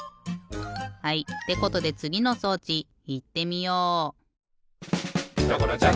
はいってことでつぎの装置いってみよう！